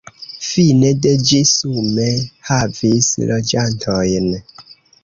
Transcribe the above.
Fine de ĝi sume havis loĝantojn.